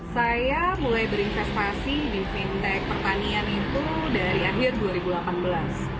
saya mulai berinvestasi di fintech pertanian itu dari akhir dua ribu delapan belas